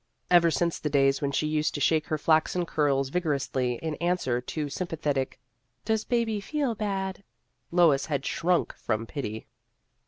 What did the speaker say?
Ever since the days when she used to shake her flaxen curls vigorously in an swer to sympathetic, " Does baby feel bad ?" Lois had shrunk from pity.